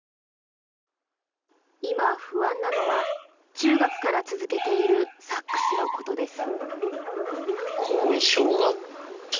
今、不安なのは中学から続けているサックスのことです。